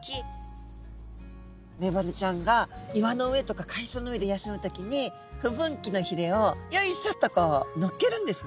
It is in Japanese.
メバルちゃんが岩の上とか海藻の上で休む時に不分岐のひれをよいしょとこうのっけるんですね。